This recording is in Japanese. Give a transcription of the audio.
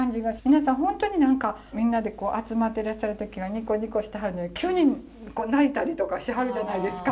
皆さん本当に何かみんなで集まってらっしゃる時はニコニコしてはるのに急に泣いたりとかしはるじゃないですか。